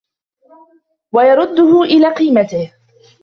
وَيَرُدُّهُ إلَى قِيمَتِهِ